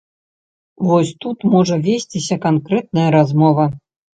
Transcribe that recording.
Вось тут можа весціся канкрэтная размова.